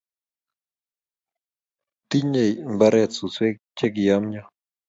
Tinyei mbaret suswek che kiyomyo